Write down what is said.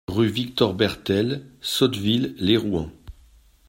Rue Victor Bertel, Sotteville-lès-Rouen